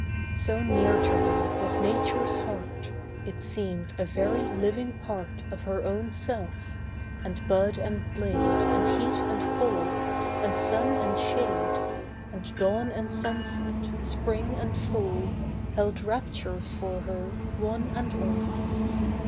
So near to her was Nature's heart It seemed a very living part Of her own self; and bud and blade, And heat and cold, and sun and shade, And dawn and sunset, Spring and Fall, Held raptures for her, one and all.